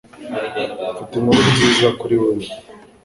Mfite inkuru nziza kuri wewe